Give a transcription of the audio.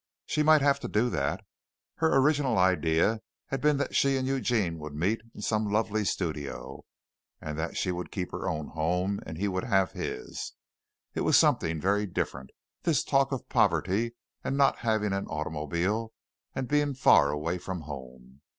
She might have to do that. Her original idea had been that she and Eugene would meet in some lovely studio, and that she would keep her own home, and he would have his. It was something very different, this talk of poverty, and not having an automobile, and being far away from home.